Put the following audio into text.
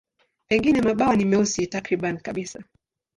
Pengine mabawa ni meusi takriban kabisa.